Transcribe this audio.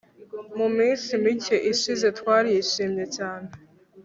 Mu minsi mike ishize twarishimye cyane